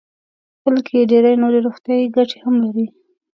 بلکې ډېرې نورې روغتیايي ګټې هم لري.